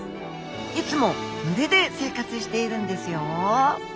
いつも群れで生活しているんですよ。